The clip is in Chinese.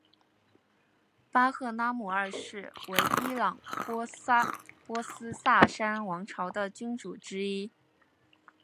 巴赫拉姆二世为伊朗波斯萨珊王朝的君主之一。